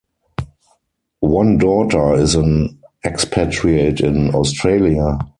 One daughter is an expatriate in Australia.